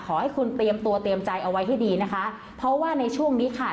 ขอให้คุณเตรียมตัวเตรียมใจเอาไว้ให้ดีนะคะเพราะว่าในช่วงนี้ค่ะ